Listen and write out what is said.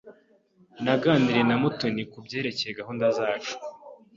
Naganiriye na Mutoni kubyerekeye gahunda zacu.